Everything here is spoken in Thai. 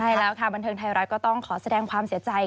ใช่แล้วค่ะบันเทิงไทยรัฐก็ต้องขอแสดงความเสียใจ